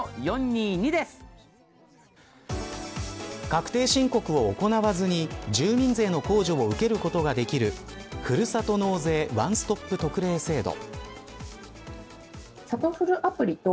確定申告を行わずに住民税の控除を受けることができるふるさと納税ワンストップ特例制度。